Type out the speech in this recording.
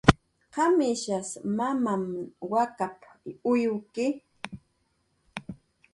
"¿Qamishas mamam wakap"" uywki?"